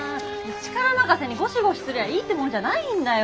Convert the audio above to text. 力任せにゴシゴシすりゃいいってもんじゃないんだよ。